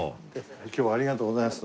今日はありがとうございます。